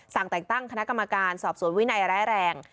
สั่งแต่งตั้งคณะกรรมการสอบสวนวินัยร้ายแรง